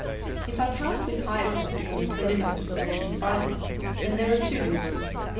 If I passed with higher credit in the preliminaries than in the finals, there are two reasons.